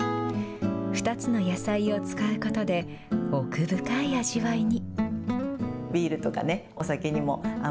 ２つの野菜を使うことで、奥深い味わいに。